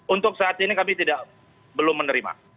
untuk saat ini kami belum menerima